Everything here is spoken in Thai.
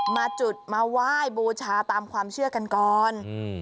มาจุดมาไหว้บูชาตามความเชื่อกันก่อนอืม